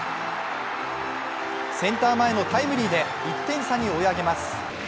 センター前のタイムリーで１点差に追い上げます。